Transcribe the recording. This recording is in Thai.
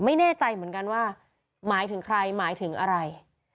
ไม่แน่ใจเหมือนกันว่าหมายถึงใครหมายถึงอะไร